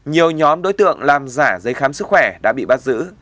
nhiều nhóm đối tượng làm giả giấy khám sức khỏe đã bị bắt giữ